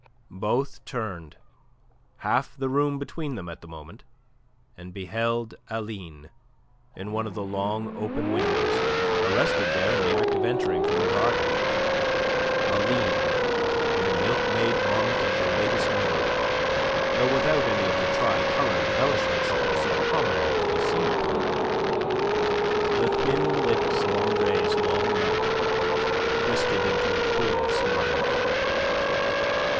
Both turned, half the room between them at the moment, and beheld Aline in one of the long, open windows, arrested there in the act of entering from the garden, Aline in a milk maid bonnet of the latest mode, though without any of the tricolour embellishments that were so commonly to be seen upon them. The thin lips of Andre's long mouth twisted into a queer smile.